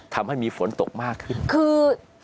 ทำให้มีฝนตกมากขึ้นคือ